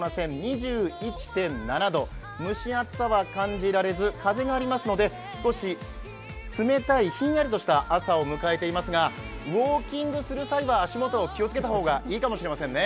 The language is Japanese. ２１．７度、蒸し暑さは感じられず風がありますので、少し冷たい、ひんやりとした朝を迎えていますがウォーキングする際は、足元を気をつけた方がいいかもしれませんね。